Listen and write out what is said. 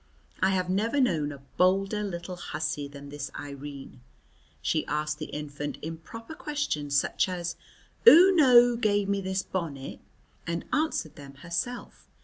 I have never known a bolder little hussy than this Irene. She asked the infant improper questions, such as "Oo know who gave me this bonnet?" and answered them herself.